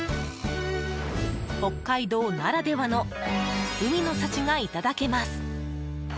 北海道ならではの海の幸がいただけます。